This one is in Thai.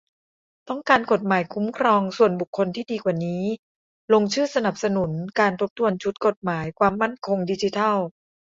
ต้องการกฎหมายคุ้มครองส่วนบุคคลที่ดีกว่านี้ ? ลงชื่อสนับสนุนการทบทวนชุดกฎหมายความมั่นคงดิจิทัล